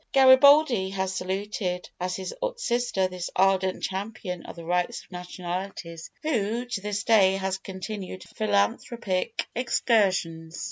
Garibaldi has saluted as his sister this ardent champion of the rights of nationalities, who, to this day, has continued her philanthropic exertions.